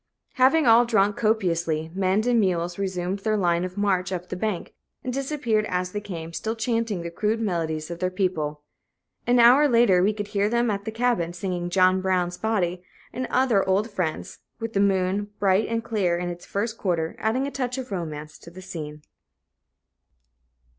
Having all drunk copiously, men and mules resumed their line of march up the bank, and disappeared as they came, still chanting the crude melodies of their people. An hour later, we could hear them at the cabin, singing "John Brown's Body" and other old friends with the moon, bright and clear in its first quarter, adding a touch of romance to the scene.